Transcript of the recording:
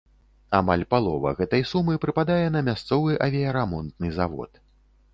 Амаль палова гэтай сумы прыпадае на мясцовы авіярамонтны завод.